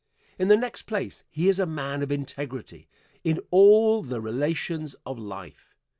In the next place, he is a man of integrity in all the relations of life.